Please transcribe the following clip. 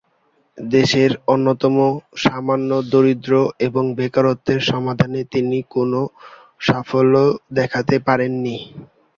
দেশের অন্যতম সমস্যা দারিদ্র্য এবং বেকারত্বের সমাধানে তিনি কোনো সাফল্য দেখাতে পারেননি।